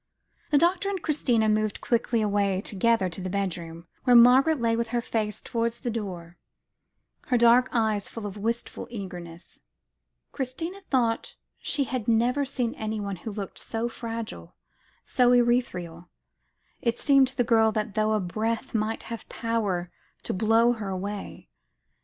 The doctor and Christina moved quickly away together to the bedroom, where Margaret lay with her face towards the door, her dark eyes full of wistful eagerness. Christina thought she had never seen anyone who looked so fragile, so ethereal; it seemed to the girl as though a breath might have power to blow her away.